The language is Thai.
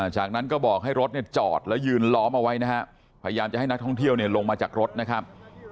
จากนั้นก็บอกให้รถเนี่ยจอดแล้วยืนล้อมเอาไว้นะฮะพยายามจะให้นักท่องเที่ยวลงมาจากรถนะครับ